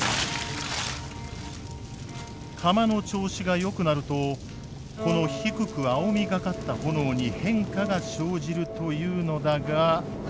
釜の調子がよくなるとこの低く青みがかった炎に変化が生じるというのだが。